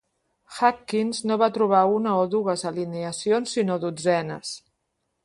Hawkins no va trobar una o dues alineacions sinó dotzenes.